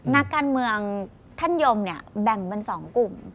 นักการเมืองท่านยมเนี่ยแบ่งเป็น๒กลุ่ม